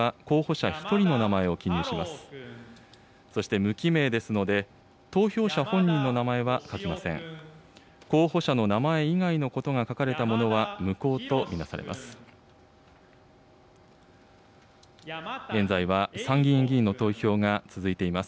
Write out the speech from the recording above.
候補者の名前以外のことが書かれたものは無効と見なされます。